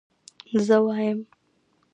زه وايم